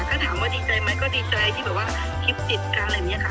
ถ้าถามว่าดีใจไหมก็ดีใจที่แบบว่าคลิปติดกันอะไรอย่างนี้ค่ะ